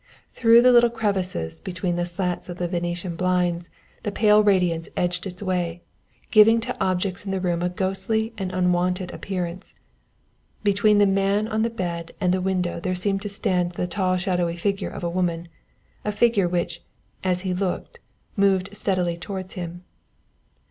Through the little crevices between the slats of the Venetian blinds the pale radiance edged its way, giving to objects in the room a ghostly and unwonted appearance. Between the man on the bed and the window there seemed to stand the tall shadowy figure of a woman, a figure which, as he looked, moved steadily towards him.